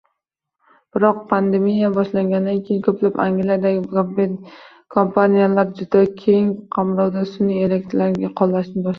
Biroq pandemiya boshlanganidan keyin koʻplab Angliyadagi kompaniyalar juda keng qamrovda sunʼiy intellekti qoʻllashni boshlashdi.